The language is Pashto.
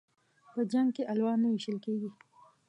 په جنگ کې الوا نه ويشل کېږي.